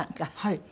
はい。